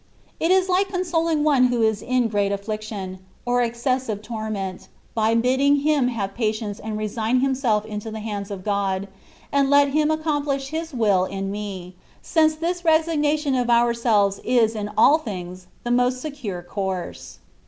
It is like consoling one who is in great affliction, or excessive torment, by bidding him have patience and resign himself into the hands of God, and let Him accomplish His will in me, since this resignation of ourselves is in all things the most secure course.